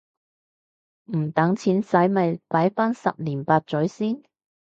唔等錢洗咪擺返十年八載先